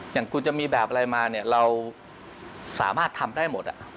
อย่างกูจะมีแบบอะไรมาเราสามารถทำได้หมด